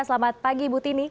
selamat pagi ibu tini